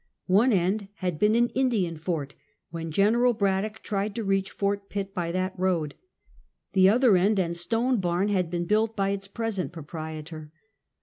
One end had been an Indian fort when Gen. Braddock tried to reach Fort Pitt by that road. The other end and stone barn had been built by its present proprietor.